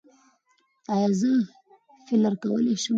ایا زه فیلر کولی شم؟